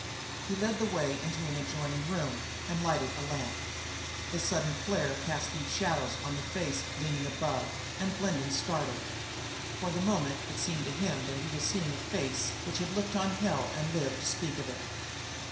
He led the way into an adjoining room, and lighted a lamp. The sudden flare cast deep shadows on the face leaning above, and Glendin started. For the moment it seemed to him that he was seeing a face which had looked on hell and lived to speak of it.